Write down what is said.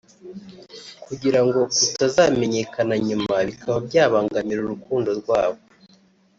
kugira ngo kutazamenyekana nyuma bikaba byabangamira urukundo rwabo